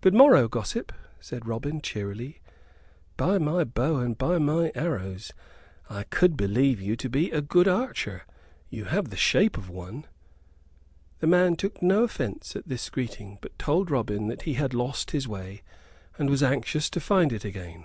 "Good morrow, gossip," said Robin, cheerily; "by my bow and by my arrows, I could believe you to be a good archer you have the shape of one." The man took no offence at this greeting, but told Robin that he had lost his way and was anxious to find it again.